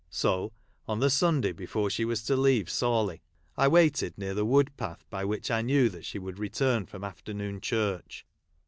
So, on the Sunday before she was to leave Sawley, I waited near the wood path, by Avhich I knew that she would return from afternoon church.